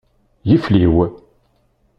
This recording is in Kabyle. Yifliw.